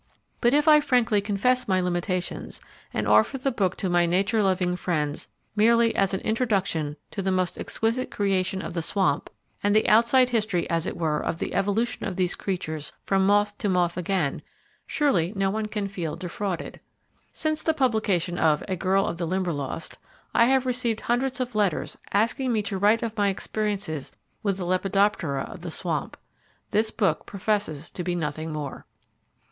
But if I frankly confess my limitations, and offer the book to my nature loving friends merely as an introduction to the most exquisite creation of the swamp; and the outside history, as it were, of the evolution of these creatures from moth to moth again, surely no one can feel defrauded. Since the publication of "A Girl of the Limberlost", I have received hundreds of letters asking me to write of my experiences with the lepidoptera of the swamp. This book professes to be nothing more.